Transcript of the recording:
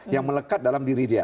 yang melekat dalam diri dia